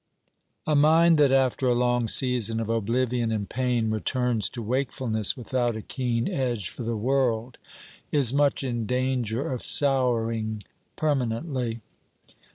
A mind that after a long season of oblivion in pain returns to wakefulness without a keen edge for the world, is much in danger of souring permanently.